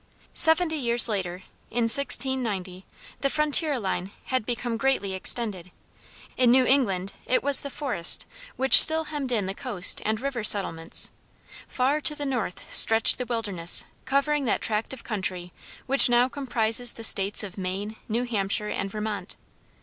Seventy years later, in 1690, the frontier line had become greatly extended. In New England it was the forest which still hemmed in the coast and river settlements: far to the north stretched the wilderness covering that tract of country which now comprises the states of Maine, New Hampshire, and Vermont.